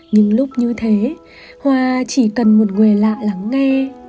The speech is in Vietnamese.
nhưng lúc như thế hòa chỉ cần một người lạ lắng nghe